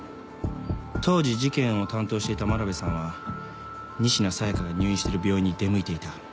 当時事件を担当していた真鍋さんは仁科紗耶香が入院してる病院に出向いていた。